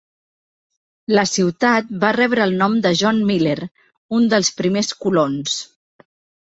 La ciutat va rebre el nom de John Miller, un dels primers colons.